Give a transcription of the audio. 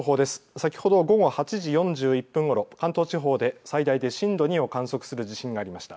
先ほど午後８時４１分ごろ関東地方で最大で震度２を観測する地震がありました。